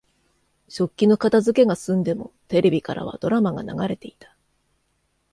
食器の片づけが済んでも、テレビからはドラマが流れていた。